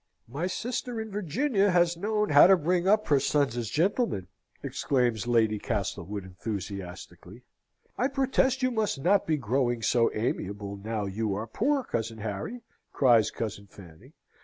"My sister, in Virginia, has known how to bring up her sons as gentlemen!" exclaims Lady Castlewood, enthusiastically. "I protest you must not be growing so amiable now you are poor, cousin Harry!" cries cousin Fanny.